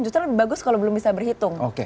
justru lebih bagus kalau belum bisa berhitung